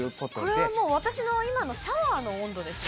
これはもう私の今のシャワーの温度ですね。